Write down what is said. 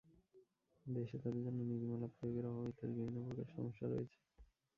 দেশে তাঁদের জন্য নীতিমালা প্রয়োগের অভাব ইত্যাদি বিভিন্ন প্রকার সমস্যা রয়েছে।